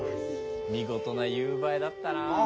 見事な夕映えだったな。